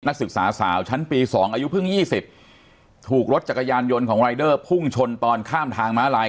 นักศึกษาสาวชั้นปี๒อายุเพิ่ง๒๐ถูกรถจักรยานยนต์ของรายเดอร์พุ่งชนตอนข้ามทางม้าลาย